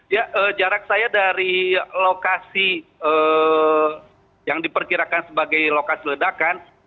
ya jarak saya dari lokasi yang diperkirakan sebagai lokasi ledakan